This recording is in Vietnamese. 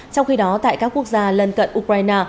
trong khi đó tại các quốc gia lân cận ukraine